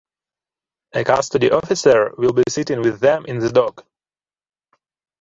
A custody officer will be sitting with them in the dock.